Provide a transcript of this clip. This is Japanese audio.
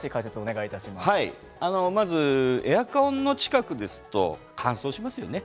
まずエアコンの近くですと乾燥しますよね。